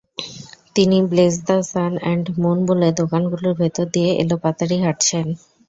তিনি—ব্লেস the sun and moon, বলে দোকানগুলোর ভেতর দিয়ে এলোপাতাড়ি হাঁটছেন।